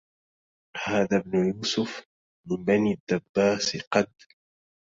هذا ابن يوسف من بني الدباس قد